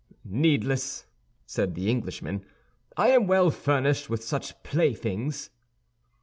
"Needless," said the Englishman; "I am well furnished with such playthings."